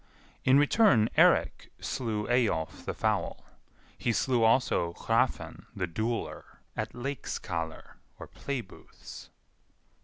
In return Eirik slew Eyjolf the Foul; he slew also Hrafn the Dueller, at Leikskalar (playbooths).